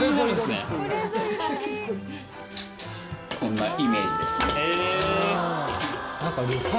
こんなイメージですね。